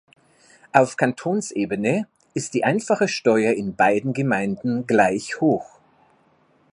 Auf Kantonsebene ist die einfache Steuer in beiden Gemeinden gleich hoch.